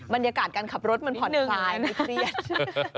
บรรยากาศการขับรถมันผ่อนคลายมันเครียด